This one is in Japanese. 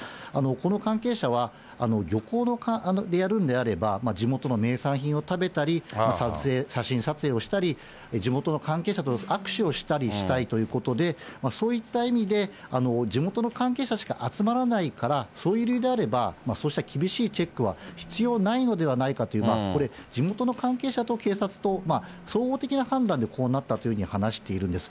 この関係者は、漁港でやるのであれば、地元の名産品を食べたり、写真撮影をしたり、地元の関係者と握手をしたりしたいということで、そういった意味で、地元の関係者しか集まらないから、そういう理由であれば、そうした厳しいチェックは必要ないのではないかという、これ、地元の関係者と警察と総合的な判断でこうなったというふうに話しているんです。